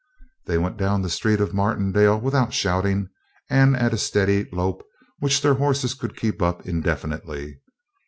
They went down the street of Martindale without shouting and at a steady lope which their horses could keep up indefinitely.